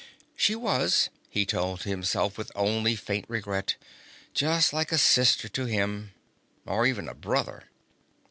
She was, he told himself with only faint regret, just like a sister to him. Or even a brother.